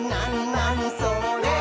なにそれ？」